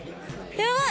やばい！